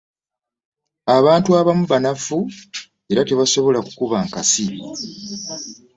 Abantu abamu banafu era tebasobola kukuba nkasi.